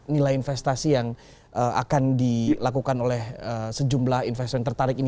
nilai investasi yang akan dilakukan oleh sejumlah investor yang tertarik ini